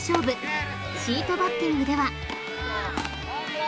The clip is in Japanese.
［シートバッティングでは］